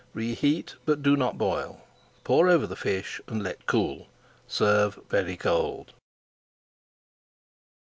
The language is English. Reheat but do not boil; pour over the fish and let cool. Serve very cold.